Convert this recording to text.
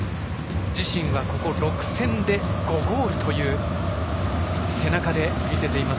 自身はここ６戦で５ゴールという背中で見せています。